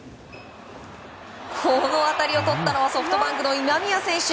この当たりをとったのはソフトバンクの今宮選手。